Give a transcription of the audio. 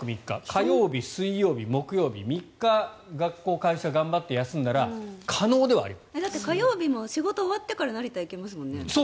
火曜日、水曜日、木曜日３日、学校とか会社を頑張って休んだらだって火曜日も仕事が終わってから成田に行けますもんね。